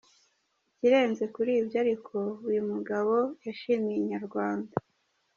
Ikirenze kuri ibyo ariko, uyu mugabo yashimiye Inyarwanda.